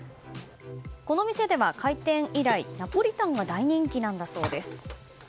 この店では開店以来ナポリタンが大人気なんだそうです。